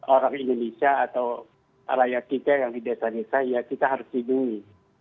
orang indonesia atau rakyat kita yang di desa desa ya kita harus lindungi